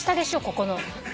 ここの。